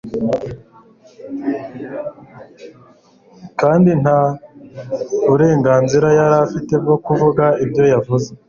kandi nta burenganzira yari afite bwo kuvuga ibyo yavuze